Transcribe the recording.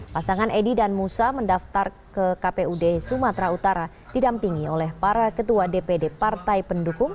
pasangan edi dan musa mendaftar ke kpud sumatera utara didampingi oleh para ketua dpd partai pendukung